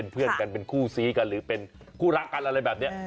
เพื่อนกันเป็นคู่ซี้กันหรือเป็นคู่รักกันอะไรแบบนี้